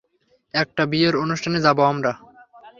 একটা বিয়ের অনুষ্ঠানে যাব আমরা!